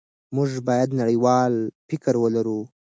موږ باید نړیوال فکر ولرو.